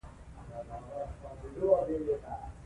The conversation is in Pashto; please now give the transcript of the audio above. په نکلونو کښي پېښي د ټوګو غوندي وړاندي کېږي.